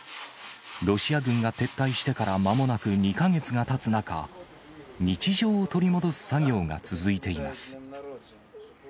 ロシア軍が撤退してから、まもなく２か月がたつ中、日常を取り戻す作業が続いています。